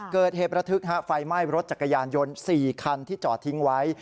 เกิดเหตุระทึกไฟไหม้รถจักรยานยนต์๔คันที่จอดทิ้งไว้